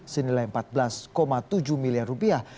senilai empat belas tujuh miliar rupiah